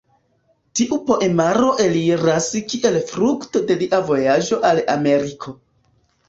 Tiu poemaro eliras kiel frukto de lia vojaĝo al Ameriko.